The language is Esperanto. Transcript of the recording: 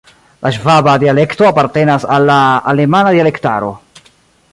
La ŝvaba dialekto apartenas al la alemana dialektaro.